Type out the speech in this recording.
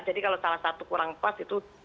jadi kalau salah satu kurang puas itu